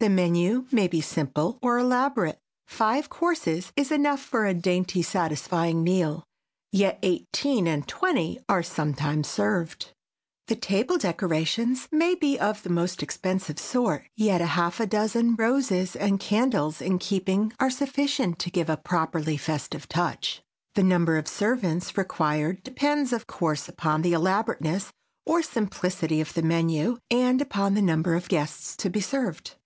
The menu may be simple or elaborate. Five courses is enough for a dainty satisfying meal, yet eighteen and twenty are sometimes served. The table decorations may be of the most expensive sort; yet a half dozen roses and candles in keeping are sufficient to give a properly festive touch. The number of servants required depends, of course, upon the elaborateness or simplicity of the menu and upon the number of guests to be served.